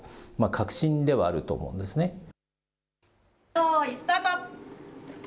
よーい、スタート。